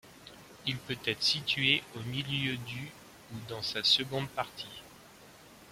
Il peut être situé au milieu du ou dans sa seconde partie.